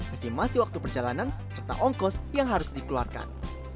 estimasi waktu perjalanan serta on cost yang harus dikeluarkan